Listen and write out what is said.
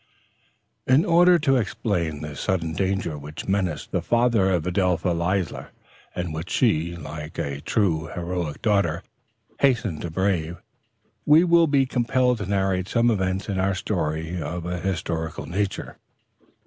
In order to explain the sudden danger which menaced the father of Adelpha Leisler, and which she, like a true, heroic daughter, hastened to brave, we will be compelled to narrate some events in our story of a historical nature.